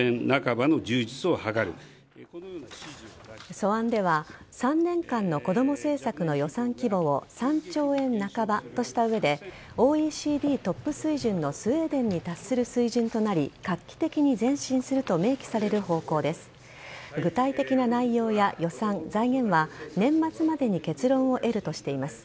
素案では３年間のこども政策の予算規模を３兆円半ばとした上でＯＥＣＤトップ水準のスウェーデンに達する水準となり具体的な内容や予算、財源は年末までに結論を得るとしています。